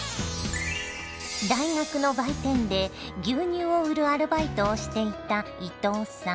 大学の売店で牛乳を売るアルバイトをしていた伊東さん。